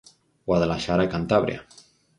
Guadalaxara e Cantabria.